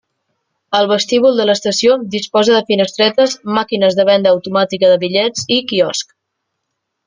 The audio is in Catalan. El vestíbul de l'estació disposa de finestretes, màquines de venda automàtica de bitllets i quiosc.